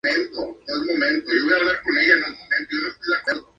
Luego trata de cruzar el puente, pero se derrumba antes de que pueda hacerlo.